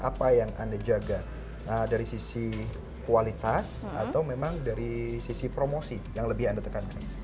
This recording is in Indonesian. apa yang anda jaga dari sisi kualitas atau memang dari sisi promosi yang lebih anda tekankan